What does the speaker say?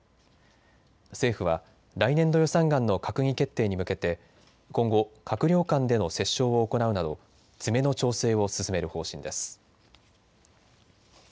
政府は来年度予算案の閣議決定に向けて今後、閣僚間での折衝を行うなど詰めの調整を進める方針です。